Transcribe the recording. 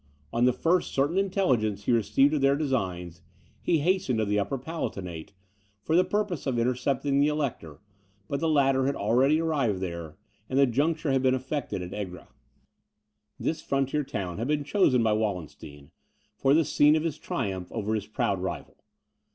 On the first certain intelligence he received of their designs, he hastened to the Upper Palatinate, for the purpose of intercepting the Elector: but the latter had already arrived there, and the junction had been effected at Egra. This frontier town had been chosen by Wallenstein, for the scene of his triumph over his proud rival.